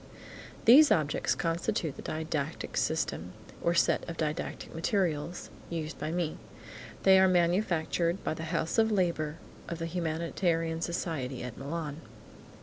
These objects constitute the didactic system (or set of didactic materials) used by me. They are manufactured by the House of Labour of the Humanitarian Society at Milan.